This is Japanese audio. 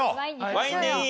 ワインでいい？